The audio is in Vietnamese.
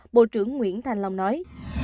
bộ trưởng nguyễn thanh long nói